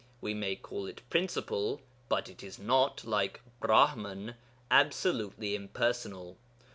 We may call it principle, but it is not, like Brahman, absolutely impersonal.